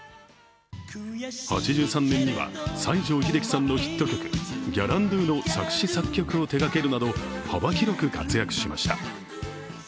８３年には西城秀樹さんのヒット曲「ギャランドゥ」の作詞・作曲を手がけるなど幅広く活躍しました。